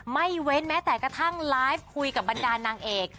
ไม่เว้นแม้แต่กระทั่งไลฟ์คุยกับบรรดานางเอก